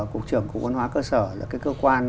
cục trưởng cục văn hóa cơ sở là cái cơ quan